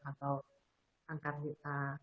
atau angkat hukum